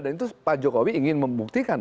dan itu pak jokowi ingin membuktikan